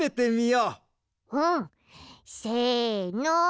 うん！せの。